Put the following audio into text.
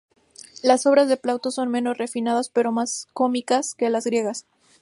Las obras de Plauto son menos refinadas pero más cómicas que las griegas.